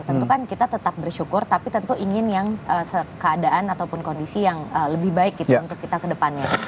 tentu kan kita tetap bersyukur tapi tentu ingin yang keadaan ataupun kondisi yang lebih baik gitu untuk kita ke depannya